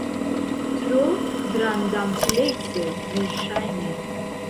Tro grandamplekse, verŝajne.